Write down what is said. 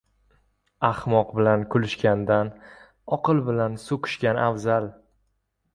• Ahmoq bilan kulishgandan oqil bilan so‘kishgan afzal.